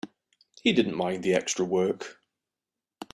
He didn't mind the extra work.